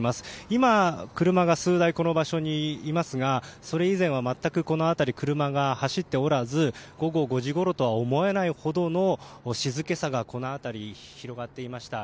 今、車が数台この場所にいますがそれ以前は、全くこの辺り車が走っておらず午後５時ごろとは思えないほどの静けさがこの辺り広がっていました。